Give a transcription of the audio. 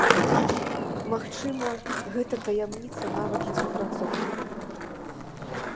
Магчыма, гэта таямніца нават для супрацоўнікаў.